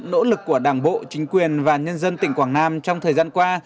nỗ lực của đảng bộ chính quyền và nhân dân tỉnh quảng nam trong thời gian qua